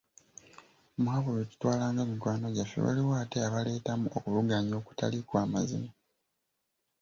Mu abo be tutwalanga mikwano gyaffe waliwo ate abaleetamu okuvuganya okutali kwa mazima.